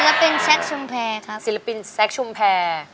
ศิลปินซักชุมแภครับศิลปินซักชุมแภ